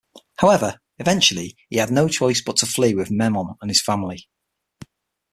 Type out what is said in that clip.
However, eventually, he had no choice but to flee with Memnon and his family.